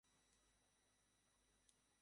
সমস্যা হল, এসব নক্ষত্রের বয়স অনেক অল্প হয়ে থাকে।